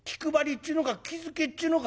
っちゅうのか気付けっちゅうのか。